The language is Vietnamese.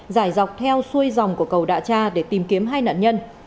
dài dọc theo xuôi dòng của cầu đạ cha để tìm kiếm hai nạn nhân